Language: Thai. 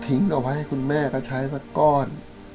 เอาไว้ให้คุณแม่ก็ใช้สักก้อน